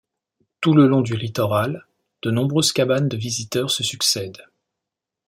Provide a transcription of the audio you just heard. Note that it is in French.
Tout le long du littoral, de nombreuses cabanes de visiteurs se succèdent.